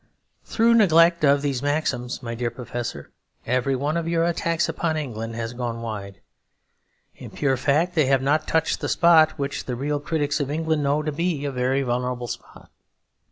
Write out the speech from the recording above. Through neglect of these maxims, my dear Professor, every one of your attacks upon England has gone wide. In pure fact they have not touched the spot, which the real critics of England know to be a very vulnerable spot.